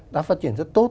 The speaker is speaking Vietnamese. đã phát triển rất tốt